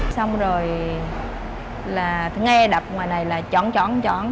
xong rồi là nghe đập ngoài này là chọn chọn